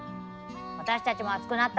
私たちも熱くなった。